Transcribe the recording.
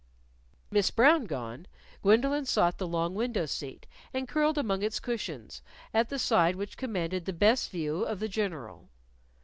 Miss Brown gone, Gwendolyn sought the long window seat and curled up among its cushions at the side which commanded the best view of the General.